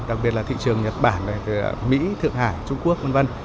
đặc biệt là thị trường nhật bản này mỹ thượng hải trung quốc v v